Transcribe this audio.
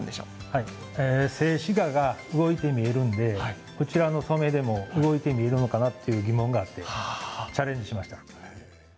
はい、静止画が動いて見えるんで、こちらの染めでも動いて見えるのかなっていう疑問があってチャレンジしました。